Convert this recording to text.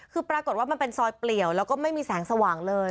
คือปรากฏว่ามันเป็นซอยเปลี่ยวแล้วก็ไม่มีแสงสว่างเลย